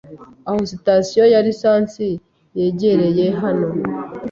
Aho sitasiyo ya lisansi yegereye hano?